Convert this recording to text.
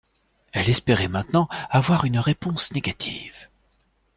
elle espérait maintenant avoir une réponse négative.